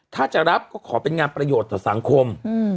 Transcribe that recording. ถ้าจะรับก็ขอเป็นงานประโยชน์ต่อสังคม